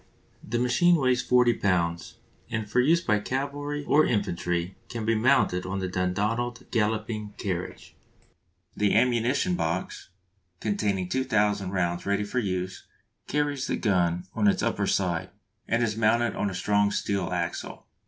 The machine weighs 40 lbs., and for use by cavalry or infantry can be mounted on the Dundonald Galloping Carriage. The ammunition box, containing 2000 rounds ready for use, carries the gun on its upper side, and is mounted on a strong steel axle.